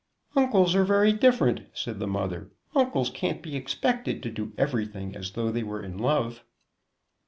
"Uncles are very different," said the mother; "uncles can't be expected to do everything as though they were in love."